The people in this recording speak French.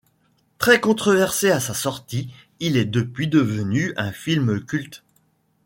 Très controversé à sa sortie, il est depuis devenu un film culte.